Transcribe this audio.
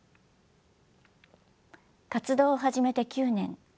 活動を始めて９年。